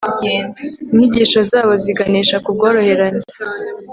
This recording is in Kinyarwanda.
inyigisho zabo ziganisha ku bworoherane